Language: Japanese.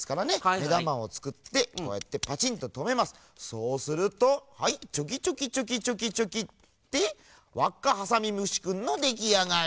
そうするとはいチョキチョキチョキチョキチョキでわっかハサミむしくんのできあがり。